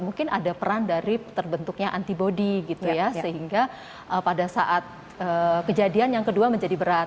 mungkin ada peran dari terbentuknya antibody gitu ya sehingga pada saat kejadian yang kedua menjadi berat